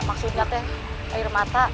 maksudnya air mata